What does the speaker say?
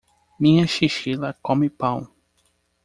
Minha chinchila come pão.